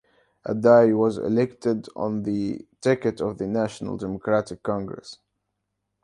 Addai was elected on the ticket of the National Democratic Congress.